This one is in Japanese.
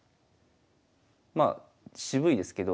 まあ渋いですけど。